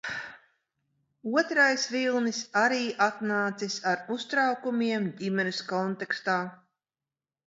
Otrais vilnis arī atnācis ar uztraukumiem ģimenes kontekstā.